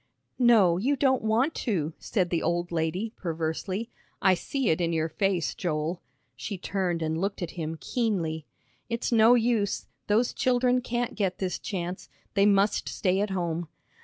"No, you don't want to," said the old lady, perversely. "I see it in your face, Joel." She turned and looked at him keenly. "It's no use, those children can't get this chance. They must stay at home."